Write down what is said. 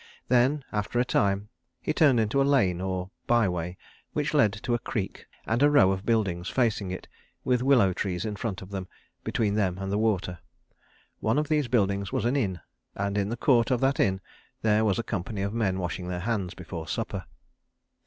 Then, after a time, he turned into a lane or by way which led to a creek, and a row of buildings facing it, with willow trees in front of them, between them and the water. One of these buildings was an inn, and in the court of that inn there was a company of men washing their hands before supper.